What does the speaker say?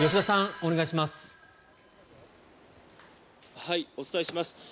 お伝えします。